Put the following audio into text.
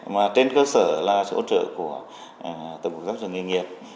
mà trên cơ sở là chỗ trợ của tổng hợp giáo dục nghiệp